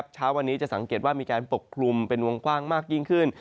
เช้าวันนี้จะสังเกตว่ามีการปกคลุมเป็นวงกว้างมากยิ่งขึ้น